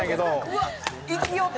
うわっ！